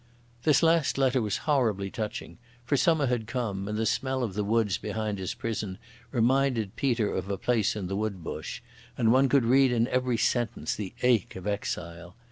This last letter was horribly touching, for summer had come and the smell of the woods behind his prison reminded Peter of a place in the Woodbush, and one could read in every sentence the ache of exile.